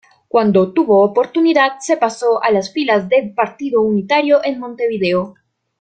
Cuando tuvo oportunidad se pasó a las filas del Partido Unitario en Montevideo.